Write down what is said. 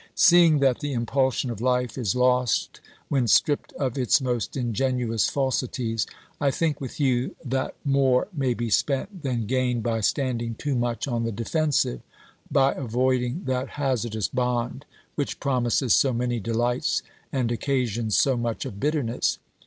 Seeing that the impulsion of life is lost when stripped of its most ingenuous falsities, I think with you that more may 366 OBERMANN be spent than gained by standing too much on the defensive, by avoiding that hazardous bond which promises so many delights and occasions so much of bitterness.